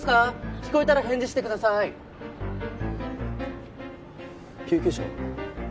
聞こえたら返事してください救急車は？